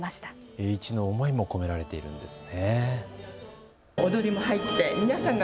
栄一の思いも込められているんですね。